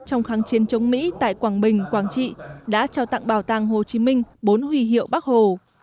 trong kháng chiến chống mỹ tại quảng bình quảng trị đã trao tặng bảo tàng hồ chí minh bốn huy hiệu bắc hồ